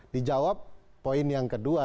dijawab poin yang kedua